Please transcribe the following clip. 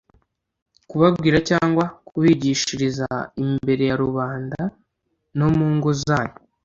kubabwira cyangwa kubigishiriza imbere ya rubanda no mu ngo zanyu.